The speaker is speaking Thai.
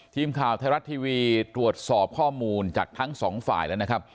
ทีมข่าวไทยรัฐทีวีตรวจสอบข้อมูลจากทั้งสองฝ่ายแล้วนะครับ